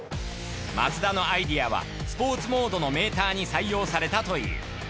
松田のアイデアはスポーツモードのメーターに採用されたという。